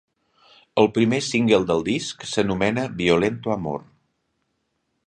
El primer single del disc s'anomena Violento Amor.